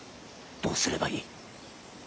どうすればいい？